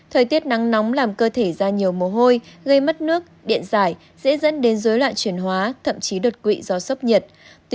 thời tiết nắng nóng làm cơ thể ra nhiều mồ hôi gây mất nước điện giải dễ dẫn đến dối loạn chuyển hóa thậm chí đột quỵ do sốc nhiệt